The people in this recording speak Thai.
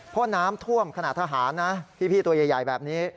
เพราะน้ำท่วมขนาดทหารนะพี่ตัวใหญ่แบบนี้